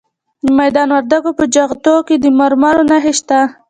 د میدان وردګو په جغتو کې د مرمرو نښې شته.